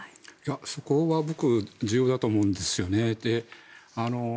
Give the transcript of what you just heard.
そこは僕重要だと思うんですよね。